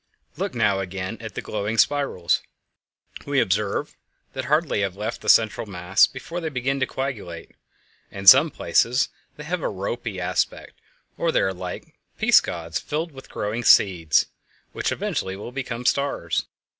Look now again at the glowing spirals. We observe that hardly have they left the central mass before they begin to coagulate. In some places they have a "ropy" aspect; or they are like peascods filled with growing seeds, which eventually will become stars.